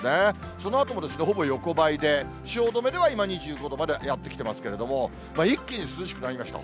そのあともほぼ横ばいで、汐留では今２５度までやってきてますけれども、一気に涼しくなりました。